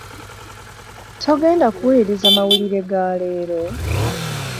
Togenda kuwuliriza mawulire ga leero?